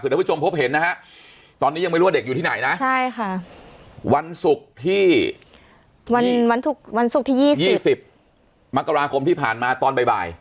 วันสุขที่วันวันวันสุขที่ยี่สิบมกราคมที่ผ่านมาตอนบ่ายบ่าย